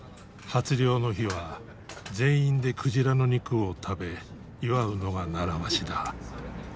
初漁の日は全員で鯨の肉を食べ祝うのが習わしだ。